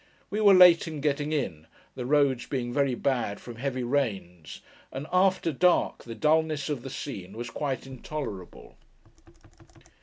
We were late in getting in, the roads being very bad from heavy rains; and, after dark, the dulness of the scene was quite intolerable.